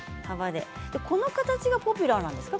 この形がポピュラーなんですか？